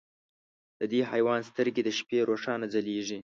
د دې حیوان سترګې د شپې روښانه ځلېږي.